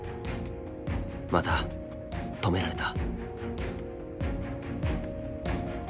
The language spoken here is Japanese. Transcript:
また止められた。